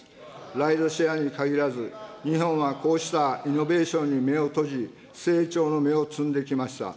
ライドシェアに限らず、日本はこうしたイノベーションに目を閉じ、成長の芽を摘んできました。